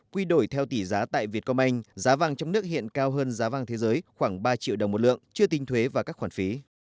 quy đổi theo tỷ giá tại việt công anh giá vàng trong nước hiện cao hơn giá vàng thế giới khoảng ba triệu đồng một lượng chưa tinh thuế và các khoản phí